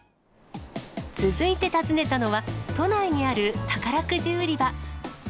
続いて訪ねたのは、都内にある宝くじ売り場。